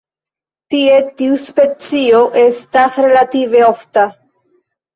Tie tiu specio estas relative ofta.